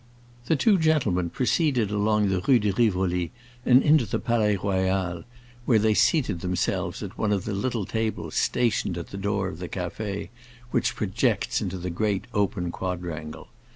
The two gentlemen proceeded along the Rue de Rivoli and into the Palais Royal, where they seated themselves at one of the little tables stationed at the door of the café which projects into the great open quadrangle.